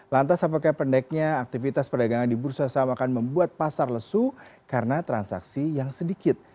lantas apakah pendeknya aktivitas perdagangan di bursa saham akan membuat pasar lesu karena transaksi yang sedikit